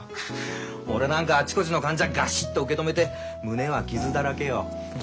俺なんかあちこちの患者ガシッと受け止めて胸は傷だらけよ。